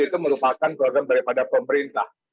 itu merupakan program daripada pemerintah